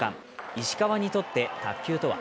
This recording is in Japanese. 石川にとって卓球とは